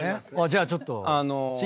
じゃあちょっと。